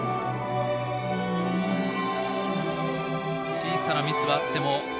小さなミスはあっても。